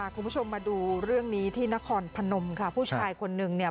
คุณผู้ชมมาดูเรื่องนี้ที่นครพนมค่ะผู้ชายคนนึงเนี่ย